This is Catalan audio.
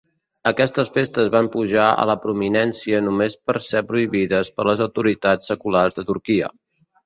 Aquestes festes van pujar a la prominència només per ser prohibides per les autoritats seculars de Turquia.